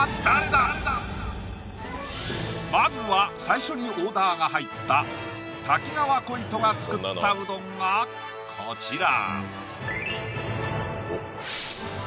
まずは最初にオーダーが入った瀧川鯉斗が作ったうどんがこちら